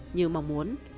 như mong muốn